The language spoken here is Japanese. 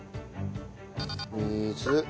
水。